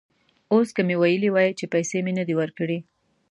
اوس که مې ویلي وای چې پیسې مې نه دي ورکړي.